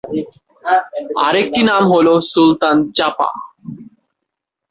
আরেকটি নাম হলো সুলতান চাঁপা।